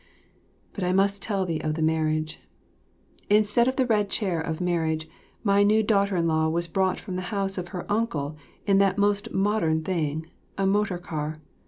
But I must tell thee of the marriage. Instead of the red chair of marriage, my new daughter in law was brought from the house of her uncle in that most modern thing, a motor car.